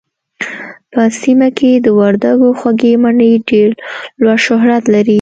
په سيمه کې د وردګو خوږې مڼې ډېر لوړ شهرت لري